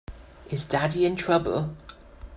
Is Daddy in trouble?